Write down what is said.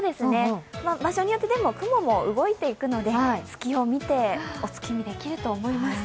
場所によって雲も動いていくので、月を見てお月見できると思います。